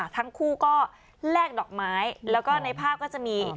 ทั้งคู่ก็แลกดอกไม้แล้วก็ในภาพก็จะมี